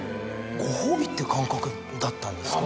ご褒美って感覚だったんですか。